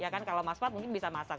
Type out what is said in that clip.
ya kan kalau mas fad mungkin bisa masak